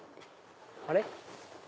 あれ？